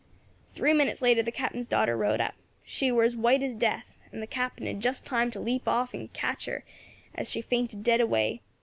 "Three minutes later the Captain's daughter rode up. She war as white as death, and the Captain had just time to leap off and catch her as she fainted dead away.